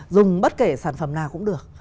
dùng bất kể sản phẩm nào cũng được